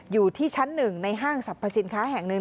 อยู่ที่ชั้น๑ในห้างสรรพสินค้าแห่งหนึ่ง